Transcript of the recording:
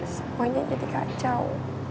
semuanya jadi kacau